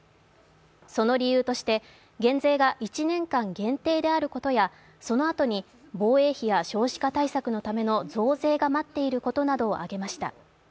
その理由として減税が１年間限定であることやそのあとに防衛費や少子化対策のための増税が待っていることなどを挙げました。